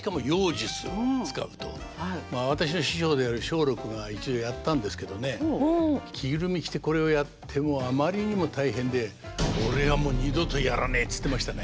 まあ私の師匠である松緑が一度やったんですけどね着ぐるみ着てこれをやってあまりにも大変でって言ってましたね。